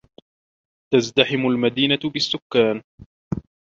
تَزْدَحِمُ الْمَدِينَةُ بِالسُّكَّانِ.